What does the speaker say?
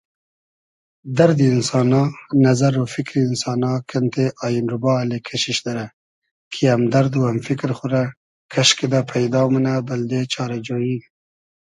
دئردی اینسانا ، نئزئر و فیکری اینسانا کئنتې آین روبا اللی کئشیش دیرۂ کی امدئرد و ام فیکر خو رۂ کئش کیدۂ پݷدا مونۂ بئلدې چارۂ جۉیی